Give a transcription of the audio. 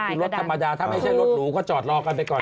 คือรถธรรมดาถ้าไม่ใช่รถหรูก็จอดรอกันไปก่อน